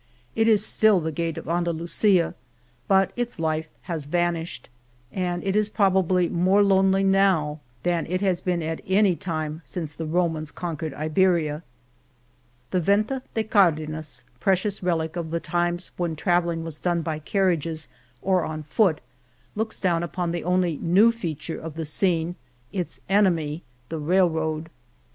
It is still the gate of Andalusia, but its life has vanished, and it is probably more lonely now than it 225 m. 'u Night Scene at the Venta de Cardenas. Venta de Cardenas has been at any time since the Romans con quered Iberia. The Venta de Cardenas, precious relic of the times when travelling was done by car riages or on foot, looks down upon the only new feature of the scene, its enemy, the rail road.